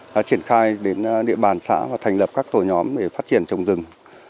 đã triển khai đến địa bàn xã và thành lập các tổ nhóm để phát triển trồng rừng